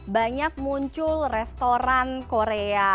banyak muncul restoran korea